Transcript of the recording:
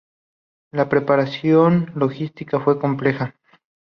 La preparación logística fue compleja.